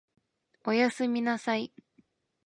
お休みなさい